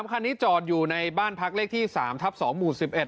คันนี้จอดอยู่ในบ้านพักเลขที่๓ทับ๒หมู่๑๑